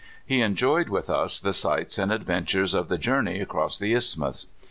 He enjoyed with us the sights and adventures of the journey across the isthmus.